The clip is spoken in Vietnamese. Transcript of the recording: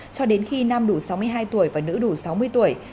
cho đến khi nam đủ sáu mươi hai tuổi và nữ đủ sáu mươi tuổi